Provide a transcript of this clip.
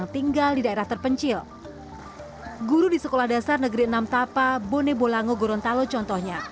di sekolah dasar guru di sekolah dasar negeri enam tapa bone bolango gorontalo contohnya